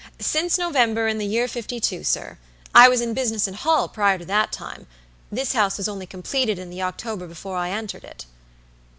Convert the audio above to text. "Since November, in the year fifty two, sir. I was in business at Hull prior to that time. This house was only completed in the October before I entered it."